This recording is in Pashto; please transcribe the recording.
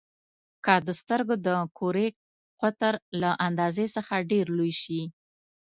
که د سترګو د کرې قطر له اندازې څخه ډېر لوی شي.